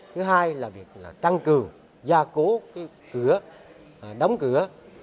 thứ hai là việc tăng cường gia cố cửa đóng cửa